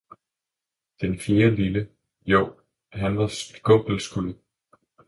Den fjerde lille, ja han var skumpelskud.